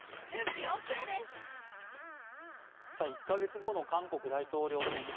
１か月後の韓国大統領選。